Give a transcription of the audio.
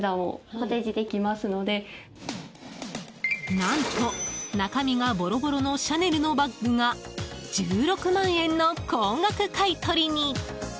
何と、中身がボロボロのシャネルのバッグが１６万円の高額買い取りに。